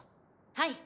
はい。